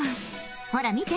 ほら見て。